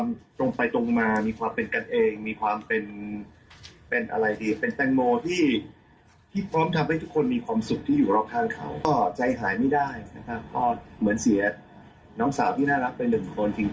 ก็ใจหายไม่ได้ก็เหมือนเสียน้องสาวที่น่ารักเป็นหนึ่งคนจริง